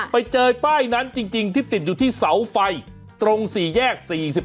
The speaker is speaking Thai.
ไปเจอป้ายนั้นจริงที่ติดอยู่ที่เสาไฟตรง๔แยก๔๒